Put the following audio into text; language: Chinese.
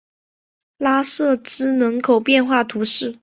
拉谢兹人口变化图示